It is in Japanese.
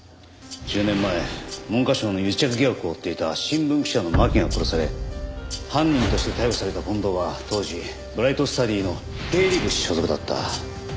１０年前文科省の癒着疑惑を追っていた新聞記者の巻が殺され犯人として逮捕された近藤は当時ブライトスタディの経理部所属だった。